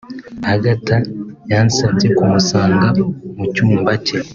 Agatha yansabye kumusanga mu cyumba cye